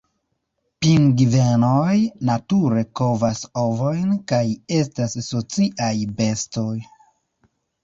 Pingvenoj nature kovas ovojn kaj estas sociaj bestoj.